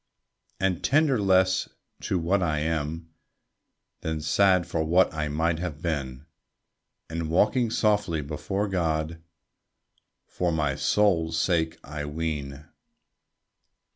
And tender less to what I am, Than sad for what I might have been; And walking softly before God For my soul's sake, I ween.